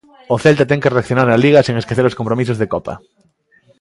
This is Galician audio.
O Celta ten que reaccionar na Liga sen esquecer os compromisos de Copa.